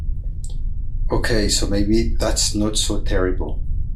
Okay, so maybe that's not so terrible.